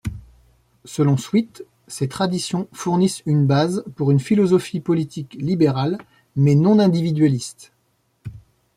Selon Sweet, ces traditions fournissent une base pour une philosophie politique libérale, mais non-individualiste.